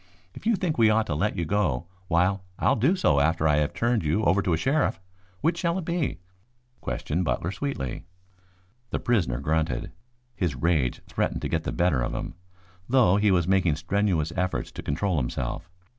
If you think we ought to let you go, why I'll do so after I have turned you over to a sheriff. Which shall it be?" questioned Butler sweetly. The prisoner grunted. His rage threatened to get the better of him, though he was making strenuous efforts to control himself.